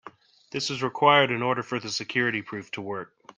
This is required in order for the security proof to work.